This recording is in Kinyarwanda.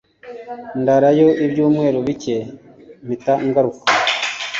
Ndarayo ibyumweru bike mpita ngaruka.